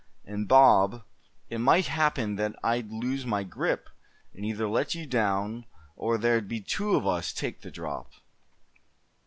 And Bob, it might happen that I'd lose my grip, and either let you go down, or there'd be two of us take the drop.